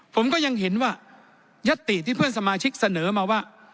ผมก็ยังเห็นว่ายัตติที่เพื่อนสมาชิกเสนอมาว่า